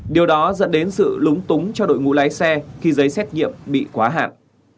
điều đó dẫn đến sự lúng túng cho đội ngũ lái xe khi giấy xét nghiệm bị quá hạn